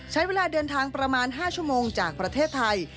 ใช้เวลาเดินทางประมาณ๕ชั่วโมงจากประเทศไทย